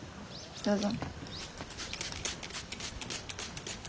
どうぞ。